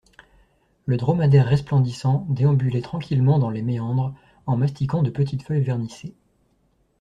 Le dromadaire resplendissant déambulait tranquillement dans les méandres en mastiquant de petites feuilles vernissées.